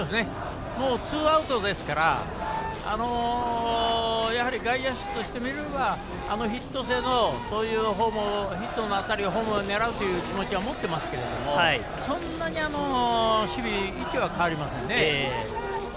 もうツーアウトですから外野手としてみればヒット性の当たりでホームを狙うというのは持っていますけどそんなに守備位置は変わりませんね。